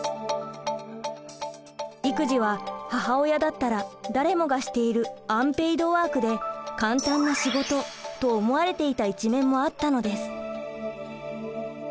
育児は母親だったら誰もがしているアンペイドワークで簡単な仕事と思われていた一面もあったのです。